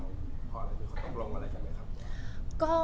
อยากให้เราตกลงอะไรกัน